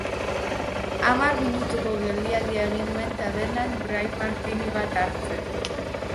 Hamar minutuko geldialdia egin nuen tabernan dry Martini bat hartzen.